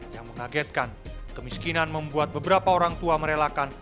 yang mengagetkan kemiskinan membuat beberapa orang tua merasa tidak bisa berpikir